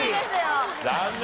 残念！